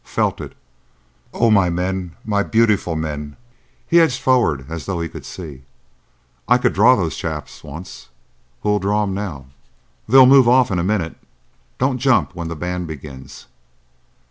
"Felt it. Oh, my men!—my beautiful men!" He edged forward as though he could see. "I could draw those chaps once. Who'll draw 'em now?" "They'll move off in a minute. Don't jump when the band begins."